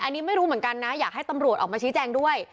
อันนี้ไม่รู้เหมือนกันนะอยากให้ตำรวจออกมาชี้แจงด้วย